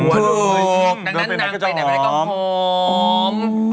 ตรงนั้นนางไปไหนไปไหนก็หอม